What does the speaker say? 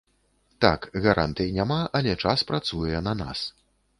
Так, гарантый няма, але час працуе на нас.